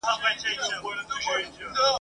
د دې وخت د زاهدانو په قرآن اعتبار نسته !.